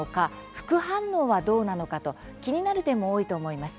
副反応はどうなのか？と気になる点も多いと思います。